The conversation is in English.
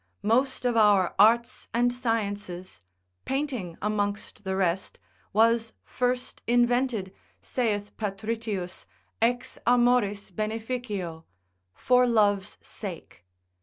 Most of our arts and sciences, painting amongst the rest, was first invented, saith Patritius ex amoris beneficio, for love's sake.